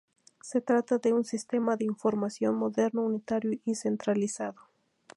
Se trata de un sistema de información moderno, unitario y centralizado.